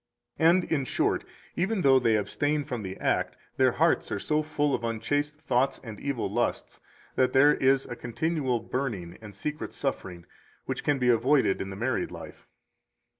215 And, in short, even though they abstain from the act, their hearts are so full of unchaste thoughts and evil lusts that there is a continual burning and secret suffering, which can be avoided in the married life.